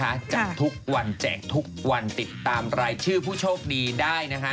จัดทุกวันแจกทุกวันติดตามรายชื่อผู้โชคดีได้นะฮะ